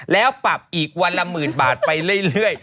แล้วปรับอีกวันละหมื่นบาทไปเรื่อย